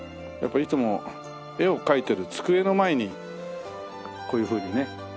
やっぱいつも絵を描いてる机の前にこういうふうにね。